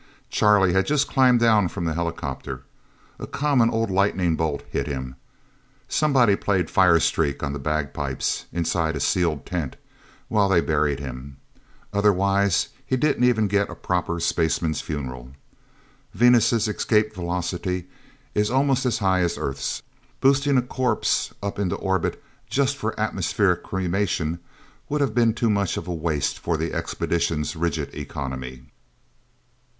Charlie had just climbed down from the helicopter. A common old lightning bolt hit him. Somebody played Fire Streak on the bagpipes inside a sealed tent while they buried him. Otherwise, he didn't even get a proper spaceman's funeral. Venus' escape velocity is almost as high as Earth's. Boosting a corpse up into orbit, just for atmospheric cremation, would have been too much of a waste for the Expedition's rigid economy."